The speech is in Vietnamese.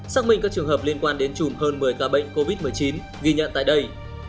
xác minh các trường hợp liên quan đến chùm hơn một mươi ca bệnh covid một mươi chín ghi nhận tại đây